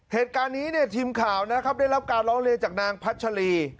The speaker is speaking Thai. เหตุการณ์นี้เนี่ยทีมข่าวนะครับได้รับการร้องเรียนจากนางพัชรี